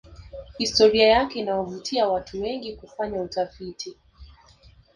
historia yake inawavutia watu wengi kufanya utafiti